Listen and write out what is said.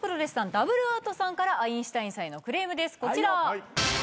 ダブルアートさんからアインシュタインさんへのクレームですこちら。